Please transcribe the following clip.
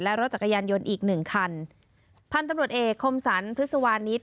และรถจักรยานยนต์อีกหนึ่งคันพันธุ์ตำรวจเอกคมสรรพฤษวานิส